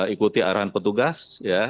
ikuti arahan petugas